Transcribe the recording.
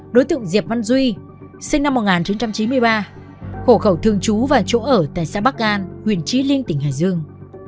ba đối tượng diệp văn duy sinh năm một nghìn chín trăm chín mươi ba hồ gẩu thường chú và chỗ ở tại xã bắc an huyện trí linh tỉnh hải dương